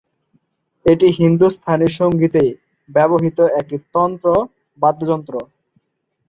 এটি হিন্দুস্তানী সংগীতে ব্যবহৃত একটি তন্তু বাদ্যযন্ত্র।